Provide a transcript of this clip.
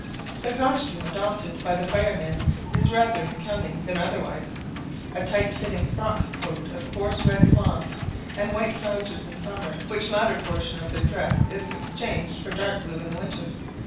The costume adopted by the firemen is rather becoming than otherwise; a tight fitting frock coat of coarse red cloth, and white trousers in summer, which latter portion of their dress is exchanged for dark blue in the winter.